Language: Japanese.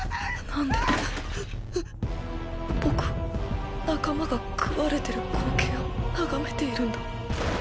なんで僕は仲間が食われてる光景を眺めているんだ。